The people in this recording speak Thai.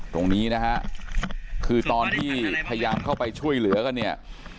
ตรงนี้นะฮะคือตอนที่พยายามเข้าไปช่วยเหลือกันเนี่ย